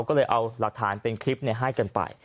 ก็เลยเอาหลักฐานเป็นคลิปให้กันไป